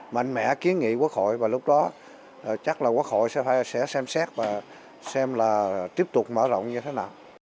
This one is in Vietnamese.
mạnh mẽ kiến nghị quốc hội và lúc đó chắc là quốc hội sẽ xem xét và xem là tiếp tục mở rộng như thế nào